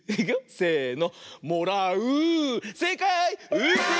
せの。